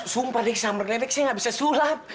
sumpah deh summer lennox nya gak bisa sulap